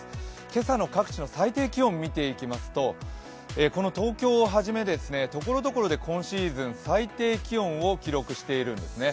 今朝の各地の最低気温を見ていきますとこの東京を初め、ところどころで今シーズン最低気温を記録しているんですね。